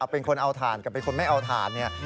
เป็นคนเอาถ่านกับเป็นคนไม่เอาถ่านเนี่ย